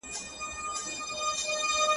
پر محراب به مي د زړه هغه امام وي,